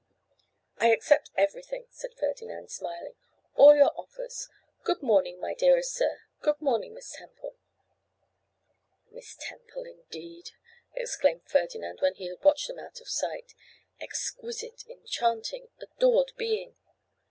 'I accept everything,' said Ferdinand, smiling; 'all your offers. Good morning, my dearest sir; good morning, Miss Temple.' 'Miss Temple, indeed!' exclaimed Ferdinand, when he had watched them out of sight. 'Exquisite, enchanting, adored being!